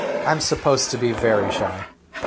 I'm supposed to be very shy.